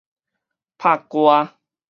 拍歌